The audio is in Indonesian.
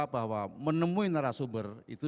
bahwa menemui narasumber itu